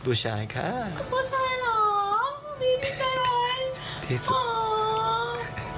หรอผู้ชายค่ะผู้ชายหรอดีใจเลยดีสุด